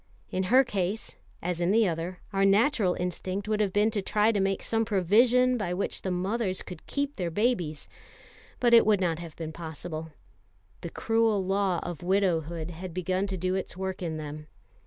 In her case, as in the other, our natural instinct would have been to try to make some provision by which the mothers could keep their babies; but it would not have been possible. The cruel law of widowhood had begun to do its work in them.